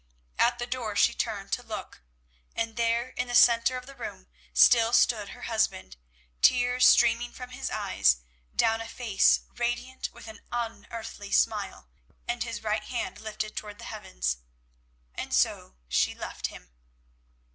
At the door she turned to look, and there, in the centre of the room, still stood her husband, tears streaming from his eyes, down a face radiant with an unearthly smile, and his right hand lifted towards the heavens. And so she left him.